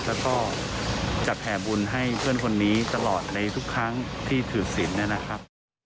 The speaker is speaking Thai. แล้วก็จะแผ่บุญให้เพื่อนคนนี้ตลอดในทุกครั้งที่ถือศิลป์นะครับ